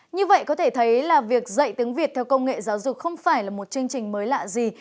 như vậy có thể thấy là việc dạy tiếng việt theo công nghệ giáo dục không phải là một chương trình mới lạ gì